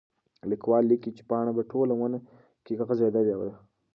لیکوال لیکلي چې پاڼه په ټوله ونه کې غځېدلې ده.